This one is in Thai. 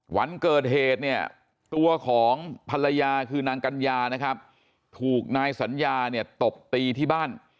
วันเกิดเหตุเนี่ยตัวของภรรยาคือนางกัญญานะครับถูกนายสัญญาเนี่ยตบตีที่บ้าน